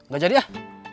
gak jadi ah